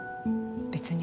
別に。